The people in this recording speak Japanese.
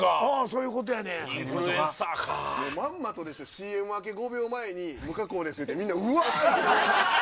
ＣＭ明け５秒前に無加工ですって聞いて皆うわあって。